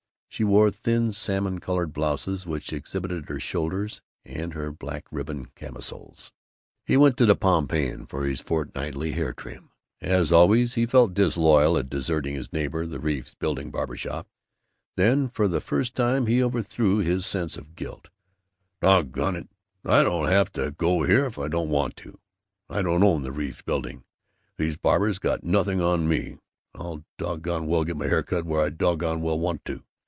She wore thin salmon colored blouses which exhibited her shoulders and her black ribboned camisoles. He went to the Pompeian for his fortnightly hair trim. As always, he felt disloyal at deserting his neighbor, the Reeves Building Barber Shop. Then, for the first time, he overthrew his sense of guilt. "Doggone it, I don't have to go here if I don't want to! I don't own the Reeves Building! These barbers got nothing on me! I'll doggone well get my hair cut where I doggone well want to!